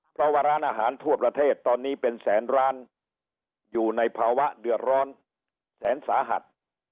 เพราะว่าร้านอาหารทั่วประเทศตอนนี้เป็นแสนร้านอยู่ในภาวะเดือดร้อนแสนสาหัส